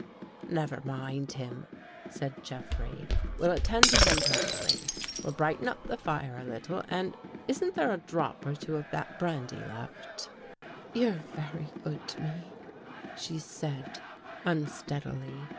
" Never mind him," said Jeffrey. " We'll attend to him presently. We'll brighten up the fire a little and ... Isn't there a drop or two of that brandy left? " 310 THE WATCHERS AND THE WATCHED " You're very good to me," she said unsteadily.